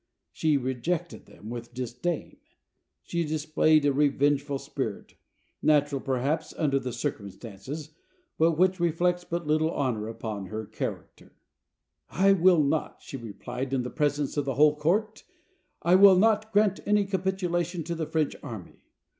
She rejected them with disdain. She dis played a revengeful spirit, natural, perhaps, under the circumstances, but which reflects but little honor upon her character. 327 AUSTRIA HUNGARY "I will not," she replied, in the presence of the whole court; "I will not grant any capitulation to the French army.